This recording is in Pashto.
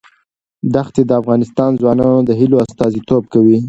دښتې د افغان ځوانانو د هیلو استازیتوب کوي.